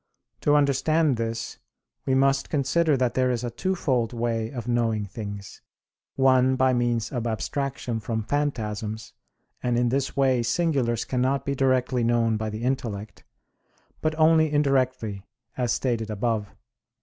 To understand this, we must consider that there is a twofold way of knowing things, one by means of abstraction from phantasms, and in this way singulars cannot be directly known by the intellect, but only indirectly, as stated above (Q.